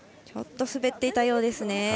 ちょっと滑っていたようですね。